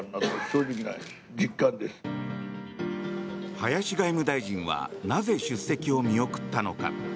林外務大臣はなぜ、出席を見送ったのか。